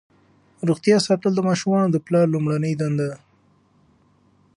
روغتیا ساتل د ماشومانو د پلار لومړنۍ دنده ده.